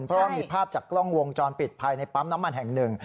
เพราะว่ามีภาพจากกล้องวงจรปิดภายในปั๊มน้ำมันแห่งหนึ่ง